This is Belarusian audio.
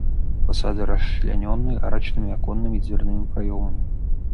Фасады расчлянёны арачнымі аконнымі і дзвярнымі праёмамі.